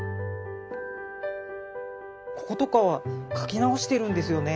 こことかは描き直してるんですよね。